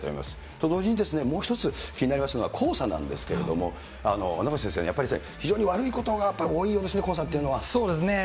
と同時にもう一つ気になりますのは黄砂なんですけれども、名越先生、非常に悪いことが多いようでそうですね。